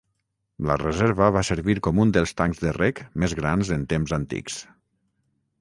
La reserva va servir com un dels tancs de reg més grans en temps antics.